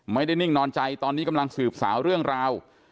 นิ่งนอนใจตอนนี้กำลังสืบสาวเรื่องราว